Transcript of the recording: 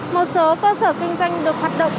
một số cơ sở kinh doanh được hoạt động